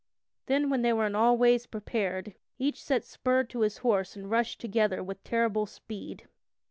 Then, when they were in all ways prepared, each set spur to his horse and rushed together with terrible speed.